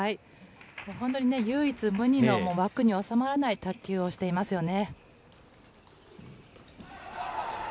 本当に唯一無二の枠に収まらない卓球をしていますよね。